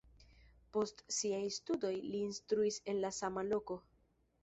Post siaj studoj li instruis en la sama loko.